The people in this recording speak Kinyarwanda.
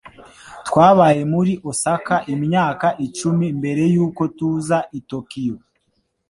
Twabaye muri Osaka imyaka icumi mbere yuko tuza i Tokiyo.